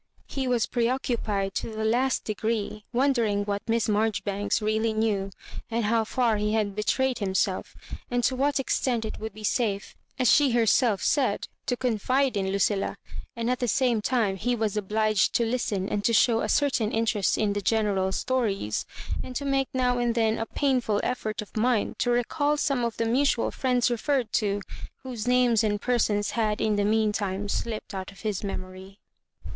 He was preoccupied to the last degree, wondering what Miss Maijoribanks really knew, and how far he had betrayed himself and lo what extent it would be safe, as she herself said, to Tionfide in Lucilla ; and at the same time he was obliged to listen to and show a certam inter est in the General's stories, and to make now and then a painful effort of mind to recall some of the mutiud fiiends referred to^ whose names and persons had in the mean time slipped out of his memory.